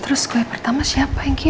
terus kue pertama siapa yang kirim ya